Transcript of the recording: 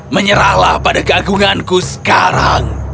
menyerahlah pada keagunganku sekarang